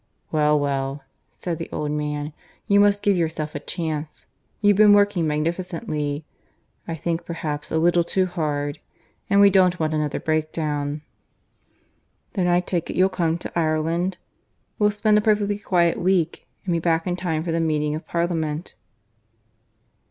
"Well, well," said the old man. "You must give yourself a chance. You've been working magnificently; I think perhaps a little too hard. And we don't want another breakdown. ... Then I take you'll come to Ireland? We'll spend a perfectly quiet week, and be back in time for the meeting of Parliament."